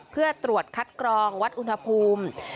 เพื่อตรวจคัดกรองวัดอุณหภูมิ